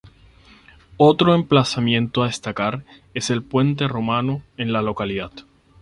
Otro emplazamiento a destacar es el puente romano en la localidad.